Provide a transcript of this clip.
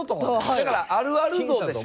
だからあるある度でしょ？